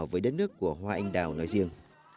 với đất nước của hoa anh đào nói riêng